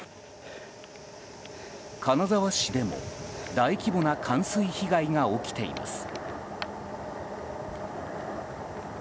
金沢市でも大規模な冠水被害が起きています。